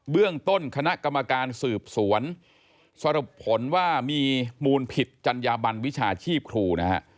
เรื่องต้นคณะกรรมการสืบสวนสรุปผลว่ามีมูลผิดจัญญาบันวิชาชีพครูนะฮะ